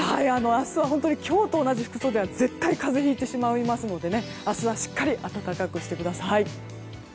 明日は今日と同じ服装では絶対に風邪をひいてしまいますので明日はしっかりと暖かくしてください。